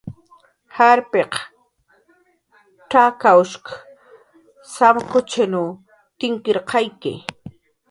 Jarpiq tz'akawshq samkuchinw tinkirqayki